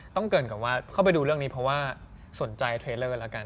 เกินกับว่าเข้าไปดูเรื่องนี้เพราะว่าสนใจเทรลเลอร์แล้วกัน